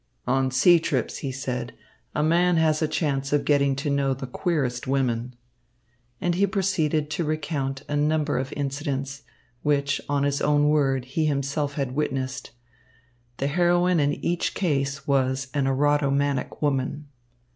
"On sea trips," he said, "a man has a chance of getting to know the queerest women." And he proceeded to recount a number of incidents, which, on his own word, he himself had witnessed. The heroine in each case was an erotomanic woman.